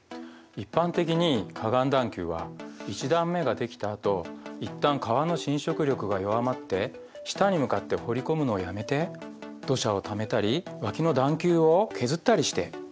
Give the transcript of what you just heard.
一般的に河岸段丘は一段目ができたあと一旦川の侵食力が弱まって下に向かって掘り込むのをやめて土砂をためたり脇の段丘を削ったりして谷の幅を広げます。